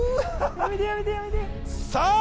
やめてやめてやめてさあ